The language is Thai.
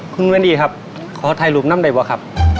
คุณวันดีครับขอถ่ายรูปนำได้บ่วครับ